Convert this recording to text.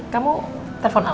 kamu telepon al ya